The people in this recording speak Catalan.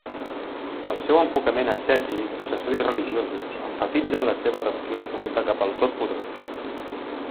El seu enfocament ascètic del estudis religiosos emfatitzen la seva devoció absoluta cap al totpoderós.